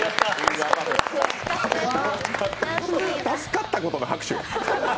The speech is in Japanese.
助かったことの拍手。